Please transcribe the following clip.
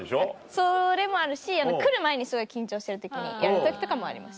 それもあるし来る前にすごい緊張してる時にやる時とかもあります。